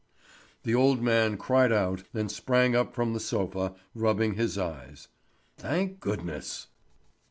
The old man cried out and sprang up from the sofa, rubbing his eyes. Thank goodness!